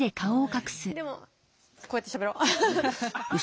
でもこうやってしゃべろう。